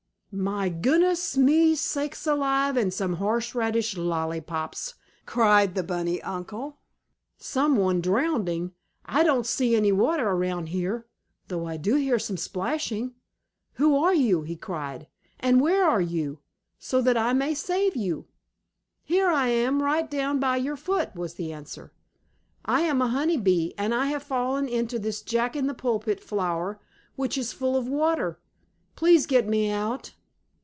"My goodness me sakes alive and some horse radish lollypops!" cried the bunny uncle. "Some one drowning? I don't see any water around here, though I do hear some splashing. Who are you?" he cried. "And where are you, so that I may save you?" "Here I am, right down by your foot!" was the answer. "I am a honey bee, and I have fallen into this Jack in the pulpit flower, which is full of water. Please get me out!"